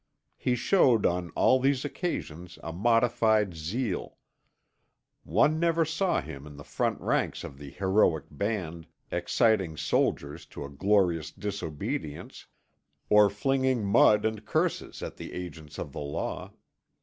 He showed on all these occasions a modified zeal; one never saw him in the front ranks of the heroic band exciting soldiers to a glorious disobedience or flinging mud and curses at the agents of the law.